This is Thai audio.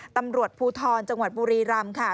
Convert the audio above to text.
ตำรวจภูทรจังหวัดบุรีรำค่ะ